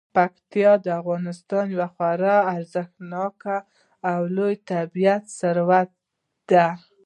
پکتیکا د افغانستان یو خورا ارزښتناک او لوی طبعي ثروت دی.